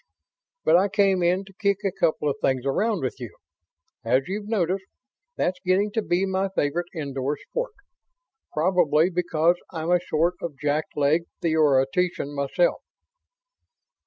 But I came in to kick a couple of things around with you. As you've noticed, that's getting to be my favorite indoor sport. Probably because I'm a sort of jackleg theoretician myself."